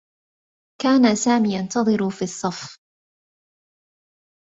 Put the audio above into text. كان سامي ينتظر في صفّ.